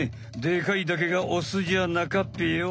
でかいだけがオスじゃなかっぺよ。